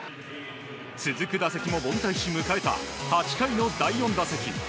続く打席も凡退し迎えた８回の第４打席。